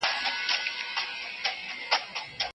افغان ډیپلوماټان د خپلو اساسي حقونو دفاع نه سي کولای.